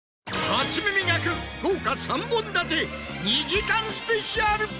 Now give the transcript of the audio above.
『初耳学』豪華３本立て２時間スペシャル。